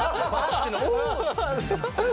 「お」。